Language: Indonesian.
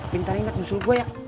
pintar ingat musuh gue ya